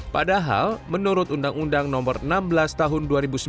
padahal menurut undang undang nomor enam belas tahun dua ribu sembilan